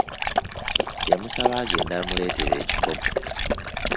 Yamusaba agende amuleetere ekikopo.